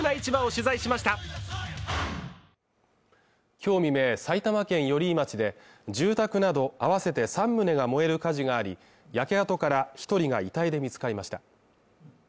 今日未明埼玉県寄居町で住宅などあわせて３棟が燃える火事があり焼け跡から１人が遺体で見つかりました。